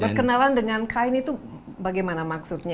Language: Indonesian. berkenalan dengan kain itu bagaimana maksudnya